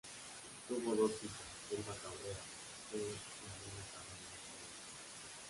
Tuvo dos hijas, Selva Cabrera Esteve y Adriana Cabrera Esteve.